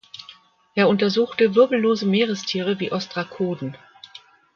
Er untersuchte wirbellose Meerestiere wie Ostrakoden.